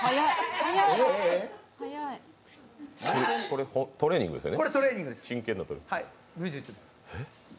これ、トレーニングです。